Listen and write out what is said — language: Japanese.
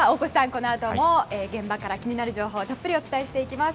このあとも現場から気になる情報をたっぷりお伝えします。